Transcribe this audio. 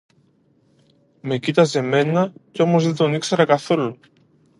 Με κοίταζε μένα, και όμως δεν τον ήξερα καθόλου.